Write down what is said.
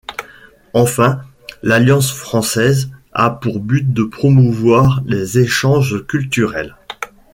Enfin, l’Alliance Française a pour but de promouvoir les échanges culturels.